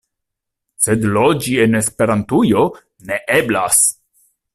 Sed loĝi en Esperantujo ne eblas.